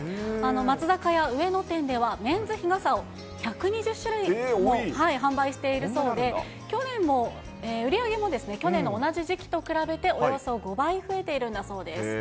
松坂屋上野店では、メンズ日傘を１２０種類も販売しているそうで、去年も、売り上げも去年の同じ時期と比べて、およそ５倍増えているんだそうです。